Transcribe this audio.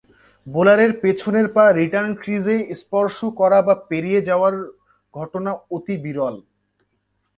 বোলারের পেছনের পা return crease এ স্পর্শ করা বা পেরিয়ে যাওয়ার ঘটনা অতি বিরল।